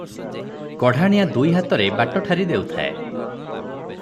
କଢ଼ାଣିଆ ଦୁଇ ହାତରେ ବାଟ ଠାରି ଦେଉଥାଏ ।